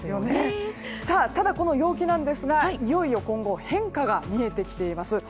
ただこの陽気なんですがいよいよ今後変化が見えてきています。